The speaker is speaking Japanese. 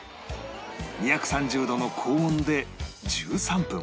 ２３０度の高温で１３分